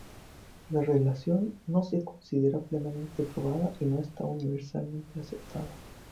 La relación no se considera plenamente probada y no está universalmente aceptada.